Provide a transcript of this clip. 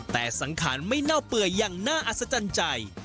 แต่สังขารไม่เน่าเปื่อยอย่างน่าอัศจรรย์ใจ